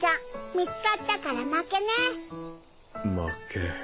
見つかったから負けね負け